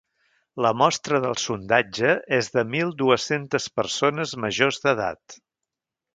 La mostra del sondatge és de mil dues-centes persones majors d’edat.